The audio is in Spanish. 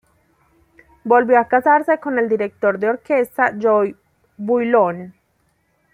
Volvió a casarse con el director de orquesta Jo Bouillon.